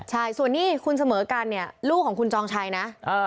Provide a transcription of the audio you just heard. ใช่ส่วนนี้คุณเสมอกันเนี่ยลูกของคุณจองชัยนะ